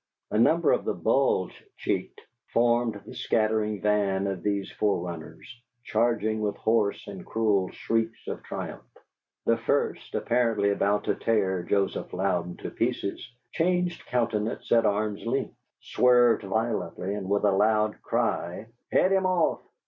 A number of the bulge cheeked formed the scattering van of these forerunners, charging with hoarse and cruel shrieks of triumph. The first, apparently about to tear Joseph Louden to pieces, changed countenance at arm's length, swerved violently, and with the loud cry, "HEAD HIM OFF!"